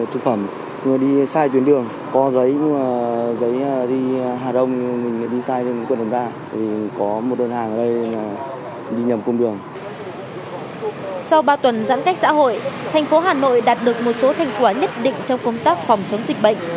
sau ba tuần giãn cách xã hội thành phố hà nội đạt được một số thành quả nhất định trong công tác phòng chống dịch bệnh